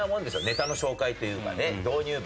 ネタの紹介というかね導入部。